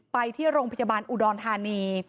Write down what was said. ไปที่โรงพยาบาลอุดรธานี